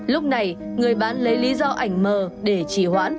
lúc này người bán lấy lý do ảnh mờ để chỉ hoãn